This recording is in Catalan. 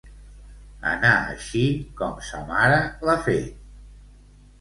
Anar així com sa mare l'ha fet.